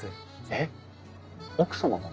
えっ奥様が？